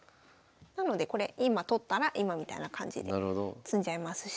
なのでこれ今取ったら今みたいな感じで詰んじゃいますし。